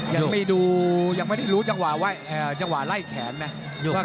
ยังไม่ดูยังไม่ได้รู้จังหวะไล่แข็งนะ